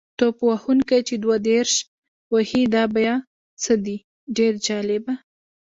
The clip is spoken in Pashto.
توپ وهونکی چې دوه دېرش وهي دا بیا څه دی؟ ډېر جالبه.